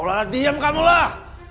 ah diam kamu lah